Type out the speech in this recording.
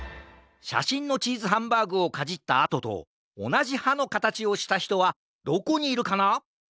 しゃしんのチーズハンバーグをかじったあととおなじはのかたちをしたひとはどこにいるかな？